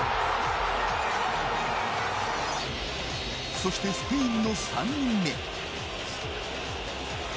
そして、スペインの３人目。